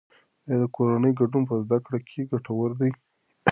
آیا د کورنۍ ګډون په زده کړه کې ګټور دی؟